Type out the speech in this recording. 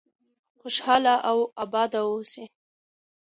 خوشحاله او آباد اوسئ.